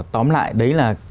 tóm lại đấy là